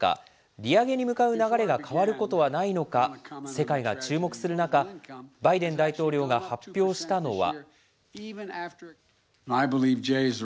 利上げに向かう流れが変わることはないのか、世界が注目する中、バイデン大統領が発表したのは。